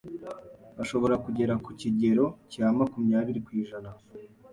bashobora kugera ku kigero cya makumyabiri kwijana